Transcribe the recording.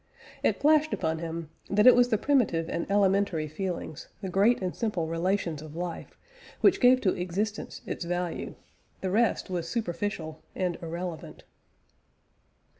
It flashed upon him that it was the primitive and elementary feelings, the great and simple relations of life, which gave to existence its value. The rest was superficial and irrelevant.